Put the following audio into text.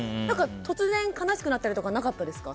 突然、悲しくなったりとかなかったですか？